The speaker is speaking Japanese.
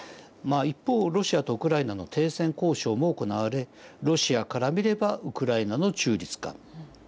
一方ロシアとウクライナの停戦交渉も行われロシアから見ればウクライナの中立化